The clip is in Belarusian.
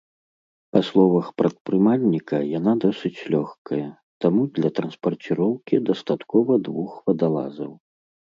Па словах прадпрымальніка, яна досыць лёгкая, таму для транспарціроўкі дастаткова двух вадалазаў.